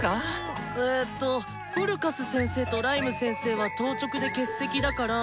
えとフルカス先生とライム先生は当直で欠席だから。